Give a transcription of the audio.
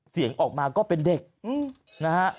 เสียงออกมาก็เป็นเด็กนะฮะ